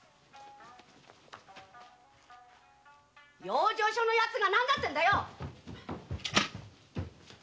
・養生所のヤツが何だっていうんだよ！